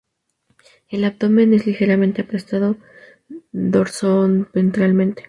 El abdomen es ligeramente aplastado dorsoventralmente.